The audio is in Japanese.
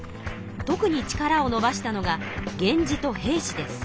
特に力をのばしたのが源氏と平氏です。